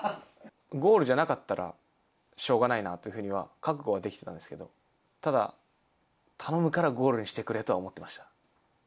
ゴールじゃなかったら、しょうがないなというふうには、覚悟はできてたんですけど、ただ、頼むからゴールにしてくれとは思ってました。